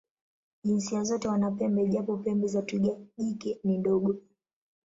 Jinsia zote wana pembe, japo pembe za twiga jike ni ndogo.